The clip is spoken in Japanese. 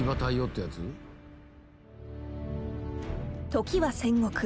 ［時は戦国］